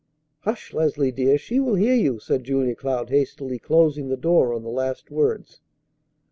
"Hush, Leslie, dear! She will hear you!" said Julia Cloud, hastily closing the door on the last words.